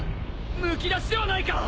むき出しではないか！